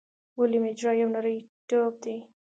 بولي مجرا یو نری ټیوب دی.